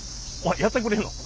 やってくれんの？